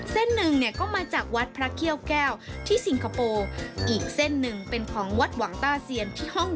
เส้นหนึ่งก็มาจากวัดพระเคี่ยวแก้วที่สิงคโปร์